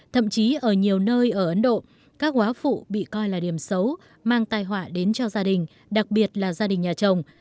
thậm chí ở nhiều nơi ở ấn độ các hóa phụ bị coi là điểm xấu mang tài họa đến cho gia đình đặc biệt là gia đình nhà chồng